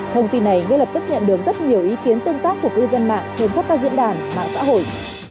thông tin này ngay lập tức nhận được rất nhiều ý kiến tương tác của cư dân mạng trên khắp các diễn đàn mạng xã hội